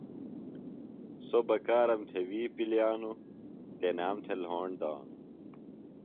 سوۡ بکارم تھےۡ وی پِلیانوۡ۔ تنام تھےۡ لھوݨ دانوۡ۔